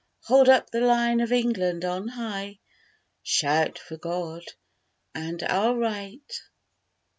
Hold up the Lion of England on high! Shout for God and our right!